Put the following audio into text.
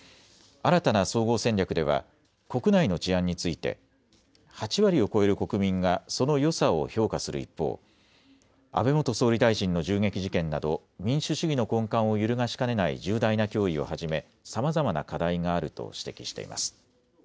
新たな総合戦略では国内の治安について８割を超える国民がそのよさを評価する一方、安倍元総理大臣の銃撃事件など民主主義の根幹を揺るがしかねない重大な脅威をはじめ、さまざまな課題があると指摘しています。